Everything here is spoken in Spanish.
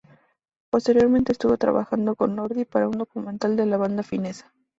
Posteriormente estuvo trabajando con Lordi para un documental de la banda finesa.